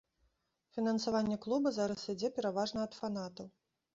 Фінансаванне клуба зараз ідзе пераважна ад фанатаў.